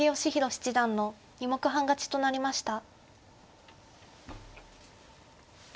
七段の２目半勝ちとなりました。